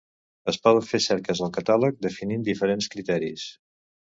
Es poden fer cerques al catàleg definint diferents criteris.